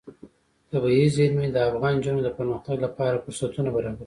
طبیعي زیرمې د افغان نجونو د پرمختګ لپاره فرصتونه برابروي.